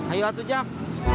ayo lah tuh jak